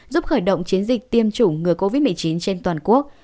giúp khởi động chiến dịch tiêm chủng ngừa covid một mươi chín trên toàn quốc